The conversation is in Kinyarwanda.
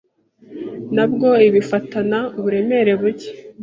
Ntabwo ibi ufatana uburemere buke?